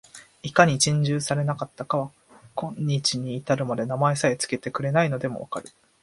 いかに珍重されなかったかは、今日に至るまで名前さえつけてくれないのでも分かる